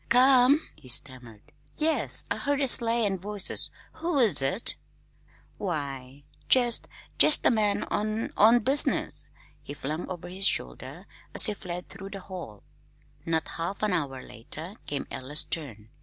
"C ome?" he stammered. "Yes, I heard a sleigh and voices. Who is it?" "Why, jest jest a man on on business," he flung over his shoulder, as he fled through the hall. Not half an hour later came Ella's turn.